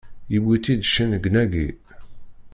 Yewwi-tt-id cennegnagi!